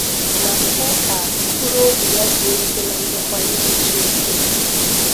ma kpee ka mkpụrụobi ya zuo ike na ndokwa n'ime Chineke.